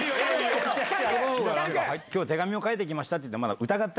「今日手紙を書いて来ました」って言っても。